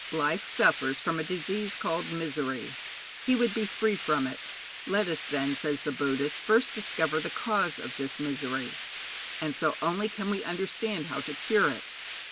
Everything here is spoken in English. Life suffers from a disease called misery. He would be free from it. Let us, then, says the Buddhist, first discover the cause of this misery, and so only can we understand how to cure it.'